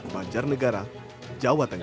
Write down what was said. banjar negara jawa tengah